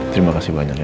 terima kasih banyak ya